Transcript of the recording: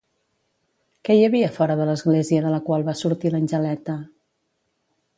Què hi havia fora de l'església de la qual va sortir l'Angeleta?